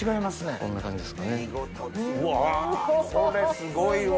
これすごいわ。